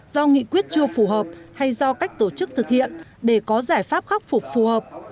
do nghị quyết chưa phù hợp hay do cách tổ chức thực hiện để có giải pháp khắc phục phù hợp